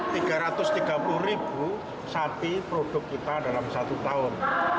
tiga ratus tiga puluh ribu sapi produk kita dalam satu tahun